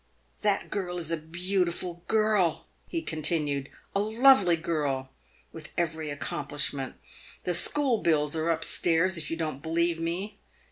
"That girl is a beautiful girl," he continued, " a lovely girl, with every accomplishment. The school bills are up stairs if you don't believe me.